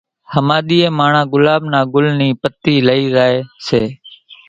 ۿماۮيئين ماڻۿان ڳلاٻ نا ڳُل نِي پتِي لئِي زائي سي،